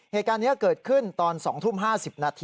เหตุการณ์นี้เกิดขึ้นตอน๐๙๕๐น